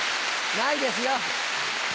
ないですよ。